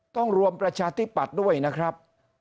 รวมประชาธิปัตย์ด้วยนะครับ